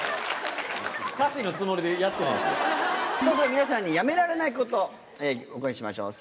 皆さんに「やめられないこと」お伺いしましょう。